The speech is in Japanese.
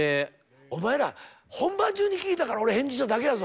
お前ら本番中に聞いたから俺返事しただけやぞ。